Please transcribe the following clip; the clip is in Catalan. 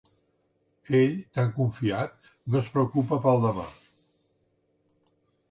Ell, tan confiat, no es preocupa pel demà.